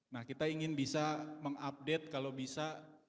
nah kita ingin bisa mengupdate kalau bisa